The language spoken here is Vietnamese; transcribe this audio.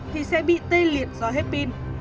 thì sẽ bị tê liệt do hết pin